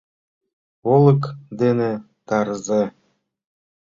Олык дене — тарзе...